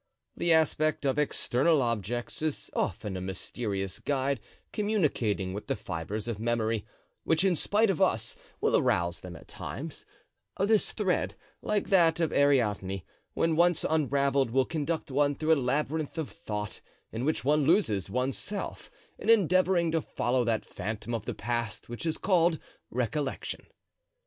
The aspect of external objects is often a mysterious guide communicating with the fibres of memory, which in spite of us will arouse them at times; this thread, like that of Ariadne, when once unraveled will conduct one through a labyrinth of thought, in which one loses one's self in endeavoring to follow that phantom of the past which is called recollection.